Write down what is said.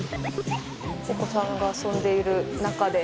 「お子さんが遊んでいる中で」